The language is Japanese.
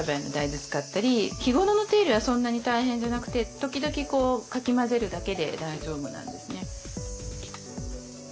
日頃の手入れはそんなに大変じゃなくて時々かき混ぜるだけで大丈夫なんですね。